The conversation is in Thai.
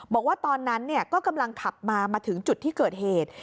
บอกว่าตอนนั้นก็กำลังขับมามาถึงจุดที่เกิดเหตุ